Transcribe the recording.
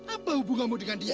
apa hubunganmu dengan dia